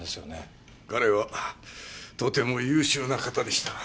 彼はとても優秀な方でした。